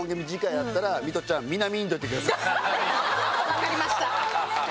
分かりました！